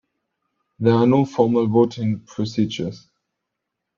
There are no formal voting procedures.